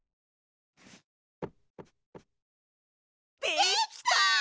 できた！